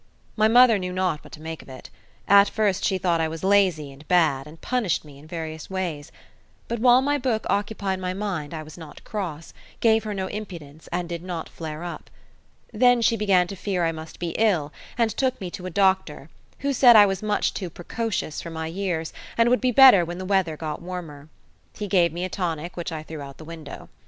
My mother knew not what to make of it. At first she thought I was lazy and bad, and punished me in various ways; but while my book occupied my mind I was not cross, gave her no impudence, and did not flare up. Then she began to fear I must be ill, and took me to a doctor, who said I was much too precocious for my years, and would be better when the weather got warmer. He gave me a tonic, which I threw out the window.